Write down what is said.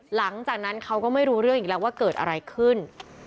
หลังจากนั้นเขาก็ไม่รู้เรื่องอีกแล้วว่าเกิดอะไรขึ้น